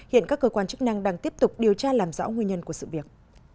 hiện các cơ quan chức năng đang tiếp tục điều tra làm rõ nguyên nhân của sự việc